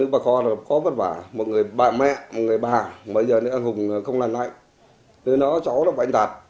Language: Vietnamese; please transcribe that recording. bà thò các anh chị mấy xa